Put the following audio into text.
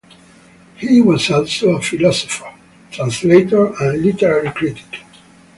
He was also a philosopher, translator, and literary critic.